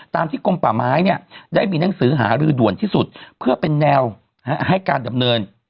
ที่กลมป่าไม้เนี่ยได้มีหนังสือหารือด่วนที่สุดเพื่อเป็นแนวให้การดำเนิน